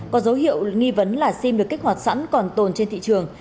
có dấu hiệu nghi vấn là sim được kích hoạt sẵn còn tồn trên thị trường